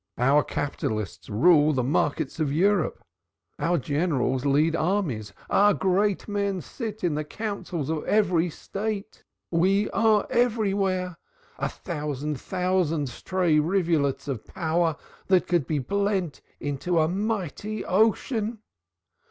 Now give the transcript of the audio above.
Our capitalists rule the markets of Europe, our generals lead armies, our great men sit in the Councils of every State. We are everywhere a thousand thousand stray rivulets of power that could be blent into a mighty ocean.